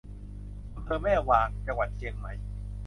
อำเภอแม่วาง จังหวัดเชียงใหม่